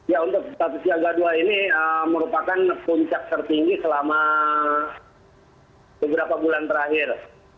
ya untuk status siaga dua ini merupakan puncak tertinggi selama beberapa bulan terakhir